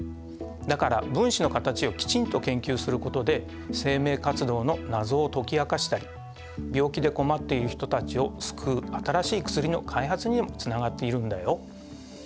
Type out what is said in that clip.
だから分子の形をきちんと研究することで生命活動の謎を解き明かしたり病気で困っている人たちを救う新しい薬の開発にもつながっているんだよ。